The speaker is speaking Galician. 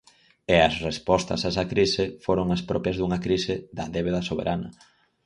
E as respostas a esa crise foron as propias dunha crise da débeda soberana.